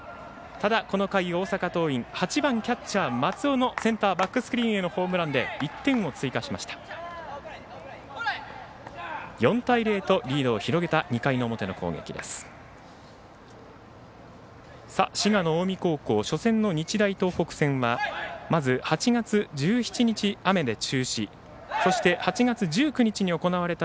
ただ、この回、大阪桐蔭８番キャッチャー松尾のセンターバックスクリーンへのホームランで１点を追加しました。